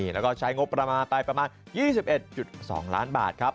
แล้วก็ใช้งบประมาณ๒๑๒ล้านบาทครับ